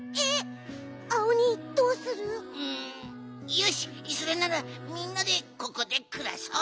よしそれならみんなでここでくらそう！